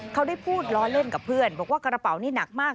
เขาได้พูดล้อเล่นกับเพื่อนบอกว่ากระเป๋านี่หนักมาก